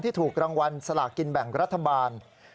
ถูกรางวัลสลากินแบ่งรัฐบาล